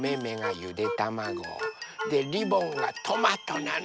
でリボンがトマトなの。